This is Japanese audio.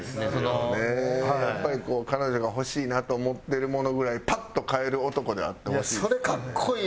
やっぱり彼女が欲しいなと思ってるものぐらいパッと買える男であってほしい。